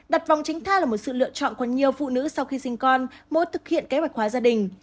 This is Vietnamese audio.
đặt vòng tránh thai là một sự lựa chọn của nhiều phụ nữ sau khi sinh con mỗi thực hiện kế hoạch hóa gia đình